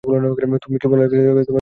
তুমি কী বল?